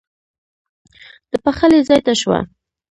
د پخلي ځای ته شوه.